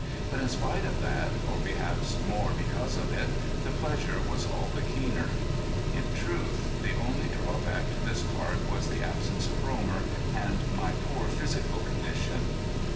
But in spite of that or perhaps more because of it the pleasure was all the keener. In truth the only drawback to this start was the absence of Romer, and my poor physical condition.